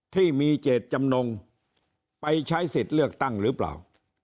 ที่มีเจตจำนงไปใช้สิทธิ์เลือกตั้งหรือเปล่า